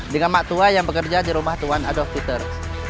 dengan mak tua yang bekerja di rumah tuan adolf peter